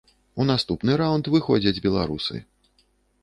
У наступны раўнд выходзяць беларусы.